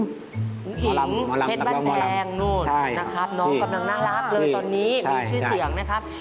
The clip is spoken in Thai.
ผู้หญิงเฮดแม่งนู้นนะครับน้องครับนางน่ารักเลยตอนนี้มีชื่อเสียงนะครับ